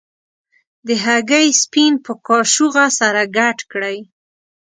د هګۍ سپین په کاشوغه سره ګډ کړئ.